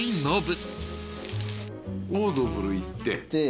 オードブルいって。